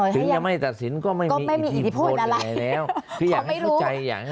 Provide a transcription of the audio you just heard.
ถึงไม่ตัดสินก็ไม่มีอิทธิพลอะไรแล้วคืออยากให้เข้าใจ